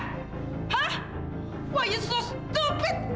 kenapa kamu begitu bodoh